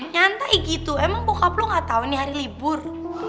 nyantai gitu emang bokap lo gak tau ini hari libur